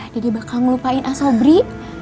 dede bakal ngelupain asobri